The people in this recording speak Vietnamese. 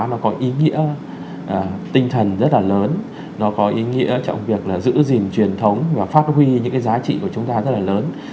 nó có ý nghĩa tinh thần rất là lớn nó có ý nghĩa trong việc là giữ gìn truyền thống và phát huy những cái giá trị của chúng ta rất là lớn